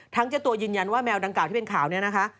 เจ้าตัวยืนยันว่าแมวดังกล่าที่เป็นข่าวนี้นะคะ